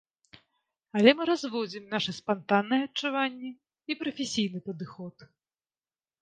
Але мы разводзім нашы спантанныя адчуванні і прафесійны падыход.